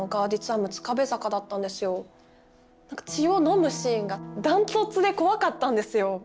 血を飲むシーンが断トツで怖かったんですよ。